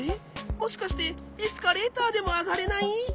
もしかしてエスカレーターでもあがれない！？